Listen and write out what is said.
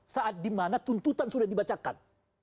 saat di mana tuntutan sudah dibacakan